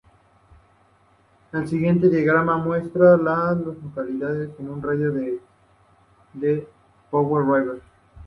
El siguiente diagrama muestra a las localidades en un radio de de Powder River.